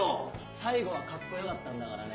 最後はカッコよかったんだからね。